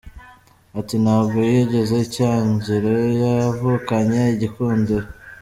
Ati “Ntabwo yigeze icyangiro yavukanye igikundiro.